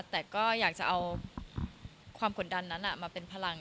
แต่ก็อยากจะเอาความกดดันนั้นมาเป็นพลัง